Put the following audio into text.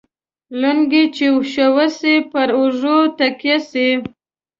لنگۍ چې شوه سي ، پر اوږو تکيه سي.